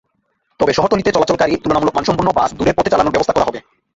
তবে শহরতলিতে চলাচলকারী তুলনামূলক মানসম্পন্ন বাস দূরের পথে চালানোর ব্যবস্থা করা হবে।